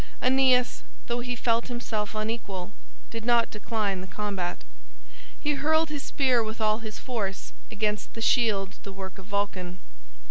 Aeneas, though he felt himself unequal, did not decline the combat. He hurled his spear with all his force against the shield the work of Vulcan.